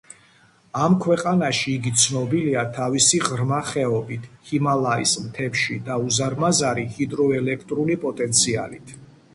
ამ ქვეყანაში იგი ცნობილია თავის ღრმა ხეობით ჰიმალაის მთებში და უზარმაზარი ჰიდროელექტრული პოტენციალით.